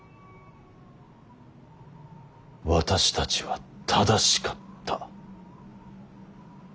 私たちは正しかった。